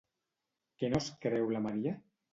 Què no es creu la Maria?